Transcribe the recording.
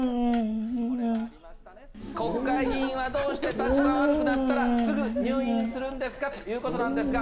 国会議員はどうして立場悪くなったら、すぐ入院するんですかということなんですが。